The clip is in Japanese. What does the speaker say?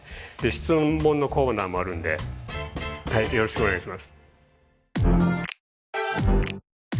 質問のコーナーもあるんでよろしくお願いします。